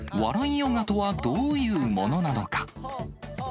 ヨガとはどういうものなのか。